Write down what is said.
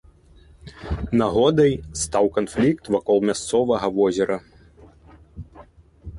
Нагодай стаў канфлікт вакол мясцовага возера.